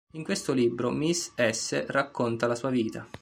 In questo libro Miss S. racconta la sua vita.